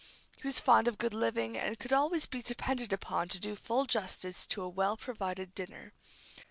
He was fond of good living, and could always be depended upon to do full justice to a well provided dinner.